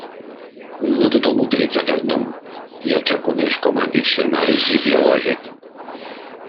No tothom utilitza aquest nom, hi ha qui el coneix com a diccionari ideològic.